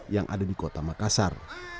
yang ada di kota makassar